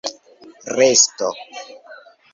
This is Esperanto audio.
resto